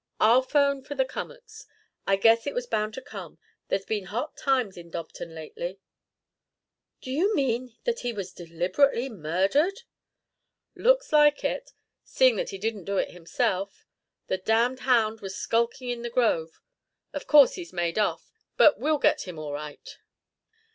"I'll 'phone for the Cummacks. I guess it was bound to come. There's been hot times in Dobton lately " "Do you mean that he was deliberately murdered?" "Looks like it, seeing that he didn't do it himself. The damned hound was skulking in the grove. Of course he's made off, but we'll get him all right."